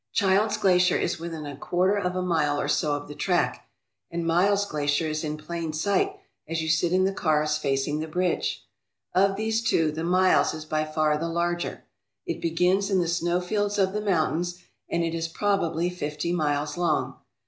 Childs Glacier is within a quarter of a mile or so of the track, and Miles Glacier is in plain sight as you sit in the cars facing the bridge. Of these two the Miles is by far the larger. It begins in the snowfields of the mountains and it is probably fifty miles long.